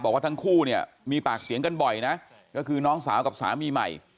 บอกว่าทั้งคู่เนี่ยมีปากเสียงกันบ่อยนะก็คือน้องสาวกับสามีใหม่